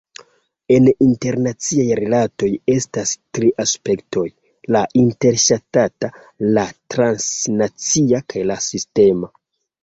En internaciaj rilatoj estas tri aspektoj: la interŝtata, la transnacia kaj la sistema.